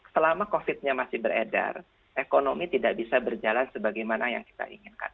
selama covid nya masih beredar ekonomi tidak bisa berjalan sebagaimana yang kita inginkan